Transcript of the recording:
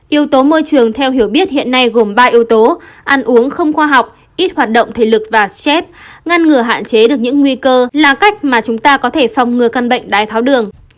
yếu tố môi trường theo hiểu biết hiện nay gồm ba yếu tố ăn uống không khoa học ít hoạt động thể lực và xếp ngăn ngừa hạn chế được những nguy cơ là cách mà chúng ta có thể phòng ngừa căn bệnh đái tháo đường